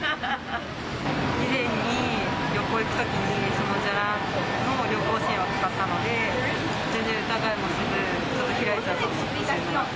以前に旅行行くときにじゃらんの旅行支援を使ったので、全然疑いもせず、開いちゃうと思います。